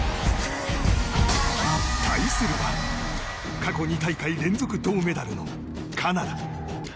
対するは、過去２大会連続銅メダルのカナダ。